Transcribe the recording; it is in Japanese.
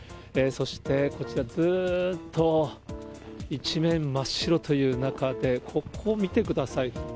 そして、こちらずーっと、一面真っ白という中で、ここ、見てください。